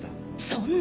そんな。